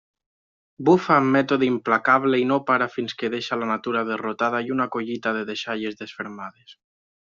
Bufa amb mètode implacable i no para fins que deixa la natura derrotada i una collita de deixalles desfermades.